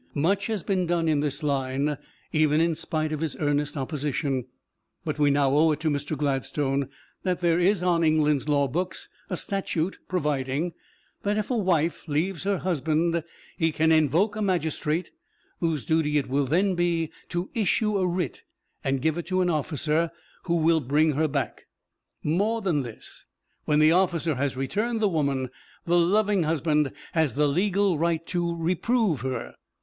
Much has been done in this line, even in spite of his earnest opposition, but we now owe it to Mr. Gladstone that there is on England's law books a statute providing that if a wife leaves her husband he can invoke a magistrate, whose duty it will then be to issue a writ and give it to an officer, who will bring her back. More than this, when the officer has returned the woman, the loving husband has the legal right to "reprove" her.